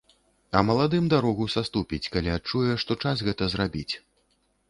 А маладым дарогу саступіць, калі адчуе, што час гэта зрабіць.